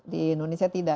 di indonesia tidak